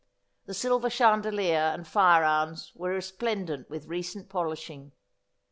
The silver chandelier and fire irons were resplendent with recent polishing.